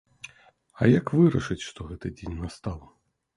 А, як вырашаць, што гэты дзень настаў!